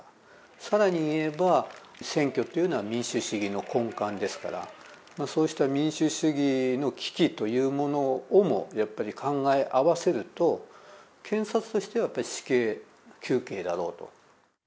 さらに言えば、選挙っていうのは民主主義の根幹ですから、そうした民主主義の危機というものをも、やっぱり考え合わせると、検察としてはやっぱり死刑求刑だろうと。